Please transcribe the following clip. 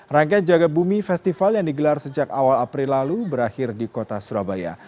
rangkaian jaga bumi festival yang digelar sejak awal april lalu berakhir di kota surabaya